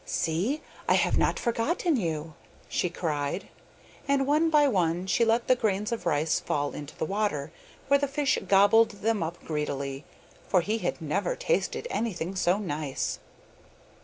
'See! I have not forgotten you,' she cried, and one by one she let the grains of rice fall into the water, where the fish gobbled them up greedily, for he had never tasted anything so nice.